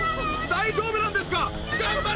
大丈夫なんですか？